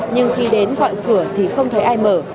nhưng khi đến gọi cửa thì không thấy ai mở